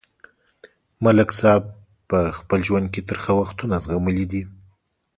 ملک صاحب په خپل ژوند کې ترخه وختونه زغملي دي.